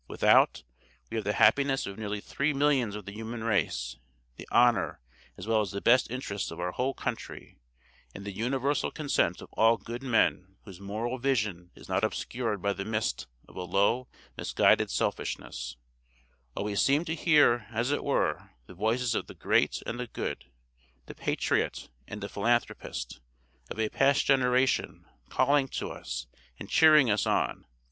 Without, we have the happiness of nearly three millions of the human race; the honor, as well as the best interests of our whole country; and the universal consent of all good men whose moral vision is not obscured by the mist of a low, misguided selfishness: while we seem to hear, as it were, the voices of the great and the good, the patriot and the philanthropist, of a past generation, calling to us and cheering us on.